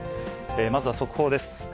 まずは速報です。